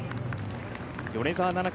米澤奈々香